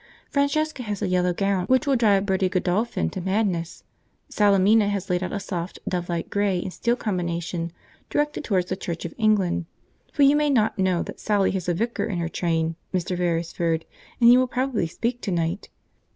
Francesca has a yellow gown which will drive Bertie Godolphin to madness. Salemina has laid out a soft, dovelike grey and steel combination, directed towards the Church of England; for you may not know that Sally has a vicar in her train, Mr. Beresford, and he will probably speak to night.